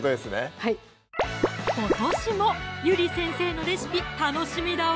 はい今年もゆり先生のレシピ楽しみだわ！